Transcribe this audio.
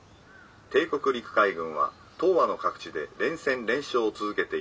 帝国陸海軍は東亜の各地で連戦連勝を続けています。